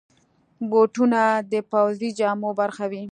بوټونه د پوځي جامو برخه وي.